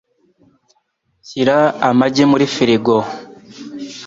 Shyira amagi muri firigo.